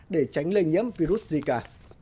để tránh lây nhiễm virus zika